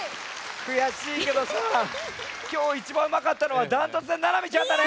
くやしいけどさきょういちばんうまかったのはダントツでななみちゃんだね。